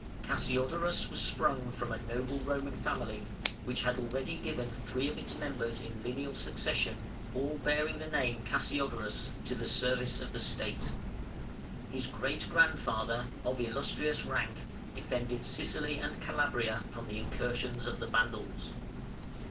Cassiodorus was sprung from a noble Roman family, which had already given three of its members in lineal succession (all bearing the name Cassiodorus) to the service of the State. His great grandfather, of "Illustrious" rank, defended Sicily and Calabria from the incursions of the Vandals.